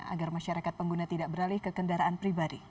agar masyarakat pengguna tidak beralih ke kendaraan pribadi